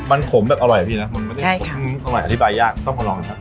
มันขมแบบอร่อยอะพี่นะมันไม่ได้ใช่ค่ะอร่อยอธิบายยากต้องพอลองกันค่ะ